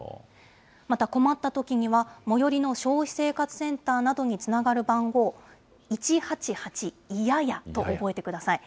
また困ったときには、最寄りの消費生活センターなどにつながる番号、１８８いややと覚えてください。